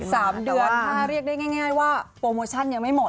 สามเดือนถ้าเรียกได้ง่ายง่ายว่าโปรโมชั่นยังไม่หมด